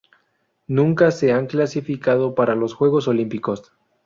Nunca se han clasificado para los Juegos Olímpicos.